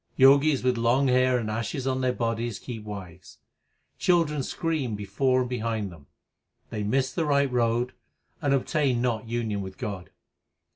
Jogis with long hair and ashes on their bodies keep wives. ] Children scream before and behind them. They miss the right road and obtain not union with God.